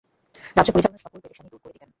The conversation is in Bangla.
রাজ্য পরিচালনার সকল পেরেশানী দূর করে দিতেন।